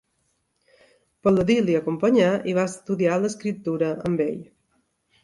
Pal·ladi l'hi acompanyà i va estudiar l'Escriptura amb ell.